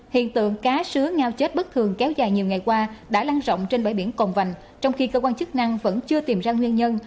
hiện tượng cá sứa ngao chết bất thường kéo dài nhiều ngày qua đã lan rộng trên bãi biển cồn vành trong khi cơ quan chức năng vẫn chưa tìm ra nguyên nhân